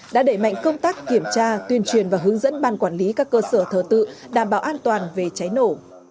đã đẩy mạnh công tác kiểm tra tuyên truyền và hướng dẫn ban quản lý các cơ sở thờ tự đảm bảo an toàn về cháy nổ